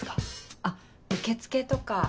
あっ受付とか。